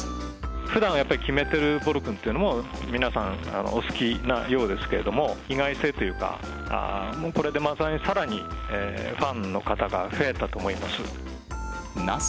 ふだんはやっぱり決めてるボルくんっていうのも皆さん、お好きなようですけれども、意外性というか、もうこれでさらにファンの方が増えたと思います。